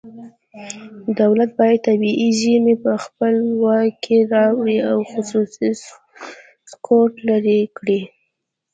دولت باید طبیعي زیرمې په خپل واک کې راولي او خصوصي سکتور لرې کړي